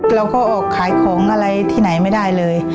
เราก็ออกขายของอะไรที่ไหนไม่ได้เลย